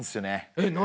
えっ何？